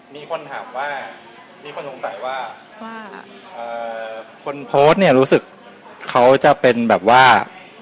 มีคนถามว่ามีคนสงสัยว่าคนโพสต์เนี่ยรู้สึกเขาจะเป็นแบบว่า